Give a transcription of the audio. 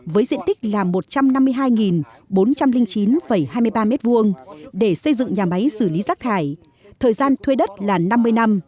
với diện tích là một trăm năm mươi hai bốn trăm linh chín hai mươi ba m hai để xây dựng nhà máy xử lý rác thải thời gian thuê đất là năm mươi năm